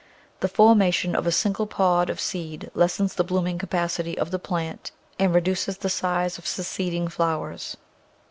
The formation of a single pod of seed lessens the blooming capacity of the plant and reduces die size of succeeding flowers.